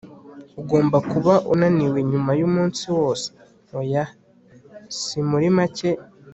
ugomba kuba unaniwe nyuma yumunsi wose. oya, si muri make